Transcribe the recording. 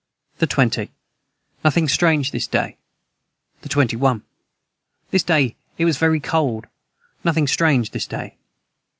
the 20. Nothing strange this day. the 21. This day it was very cold nothing strange this day.